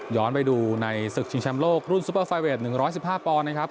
ไปดูในศึกชิงแชมป์โลกรุ่นซูเปอร์ไฟเวท๑๑๕ปอนด์นะครับ